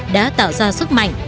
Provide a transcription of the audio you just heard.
đã tạo ra sức mạnh